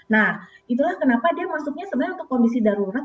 nah itulah kenapa dia maksudnya sebenarnya untuk kondisi darurat